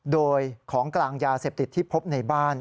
โดยของกลางยาเสพติดที่พบในบ้าน